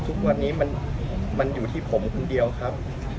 ทุกวันนี้มันอยู่ที่ผมคนเดียวครับ